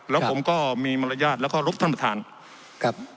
แล้วผมก็มีแล้วขอลุกท่านประธานครับ